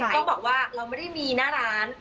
ก็บอกว่าเราไม่ได้มีหน้าร้าน